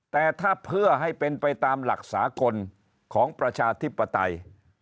แต่ถ้าเพื่อให้เป็นไปตามหลักสากลของประชาธิปไตย